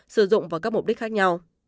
sử dụng vào các mục đích khác nhau